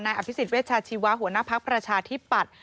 นายอภิษฎิเวชชาชีวะหัวหน้าพรรคประชาธิบัตร